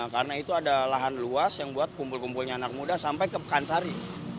karena itu ada lahan luas yang buat kumpul kumpulnya anak muda sampai ke pekansari